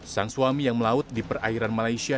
sang suami yang melaut di perairan malaysia